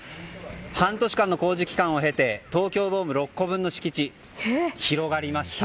半年間の工事期間を経て東京ドーム６個分の敷地が広がりました。